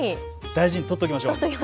大事に取っておきましょう。